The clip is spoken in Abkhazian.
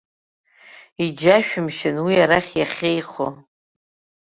Иџьашәымшьан уи арахь иахьеихо.